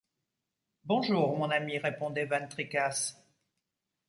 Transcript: Bonjour, mon ami, répondait van Tricasse.